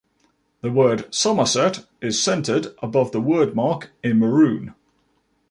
The word "Somerset" is centered above the wordmark in maroon.